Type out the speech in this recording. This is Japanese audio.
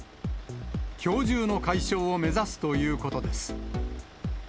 きょう中の解消を目指すということです。